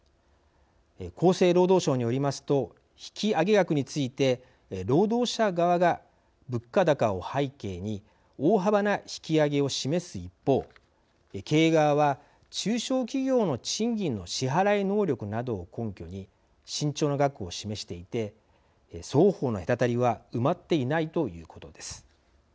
厚生労働省によりますと引き上げ額について労働者側が物価高を背景に大幅な引き上げを示す一方経営側は中小企業の賃金の支払い能力などを根拠に慎重な額を示していて双方の隔たりは埋まっていないということです。